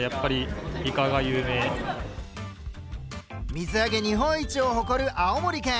水揚げ日本一を誇る青森県。